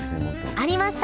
ありました！